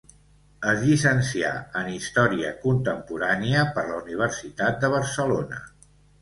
Es llicencià en història contemporània per la Universitat de Barcelona.